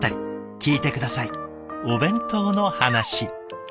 聞いて下さい。